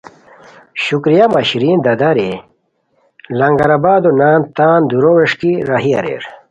شکریہ مہ شیرین دادا رے لنگر آبادو نان تان دُورو و وݰکی راہی اریر